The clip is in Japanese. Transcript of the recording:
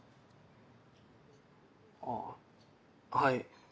あっはい。